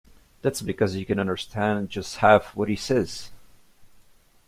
That's because you can understand just half what he says.